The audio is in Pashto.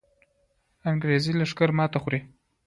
انګریزي لښکر ماتې خوري.